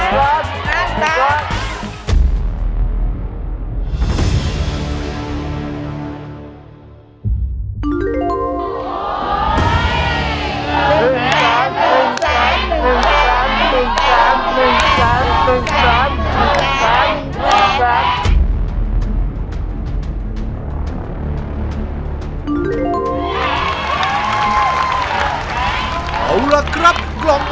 นั้น๑ล้าน